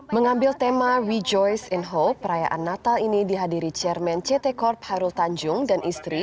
mengambil tema rejoys in hole perayaan natal ini dihadiri chairman ct corp hairul tanjung dan istri